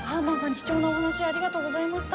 貴重なお話ありがとうございました。